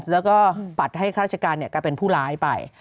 แล้วก็ปัดให้ข้าราชการกลายเป็นผู้ร้ายไป